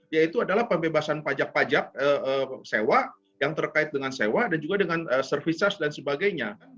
yaitu adalah pembebasan pajak pajak sewa yang terkait dengan sewa dan juga dengan services dan sebagainya